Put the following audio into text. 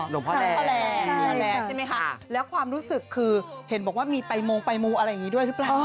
หลวงพ่อแลนใช่ไหมคะแล้วความรู้สึกคือเห็นบอกว่ามีไปมงไปมูอะไรอย่างนี้ด้วยหรือเปล่า